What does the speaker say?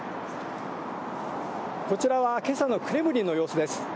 こちらはけさのクレムリンの様子です。